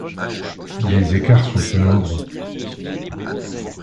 Les écarts sont peu nombreux.